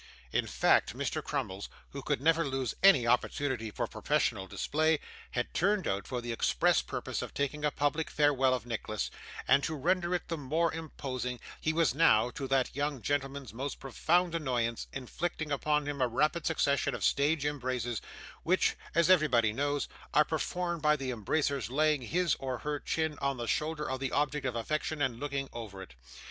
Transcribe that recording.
In fact, Mr. Crummles, who could never lose any opportunity for professional display, had turned out for the express purpose of taking a public farewell of Nicholas; and to render it the more imposing, he was now, to that young gentleman's most profound annoyance, inflicting upon him a rapid succession of stage embraces, which, as everybody knows, are performed by the embracer's laying his or her chin on the shoulder of the object of affection, and looking over it.